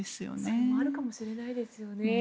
それもあるかもしれないですよね。